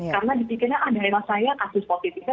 karena dipikirnya ah daerah saya kasus positifnya